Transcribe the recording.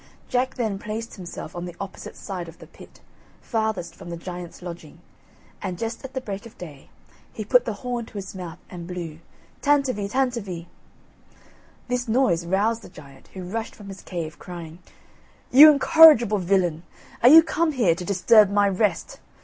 Jack then placed himself on the opposite side of the pit, farthest from the giant's lodging, and, just at the break of day, he put the horn to his mouth, and blew, Tantivy, Tantivy. This noise roused the giant, who rushed from his cave, crying: "You incorrigible villain, are you come here to disturb my rest?